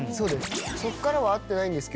そっからは会ってないけど。